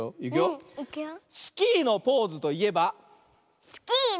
スキーのポーズといえば？